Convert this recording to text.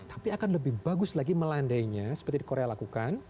tapi akan lebih bagus lagi melandainya seperti di korea lakukan